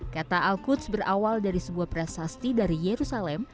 kata al qudz berawal dari sebuah prasasti dari yerusalem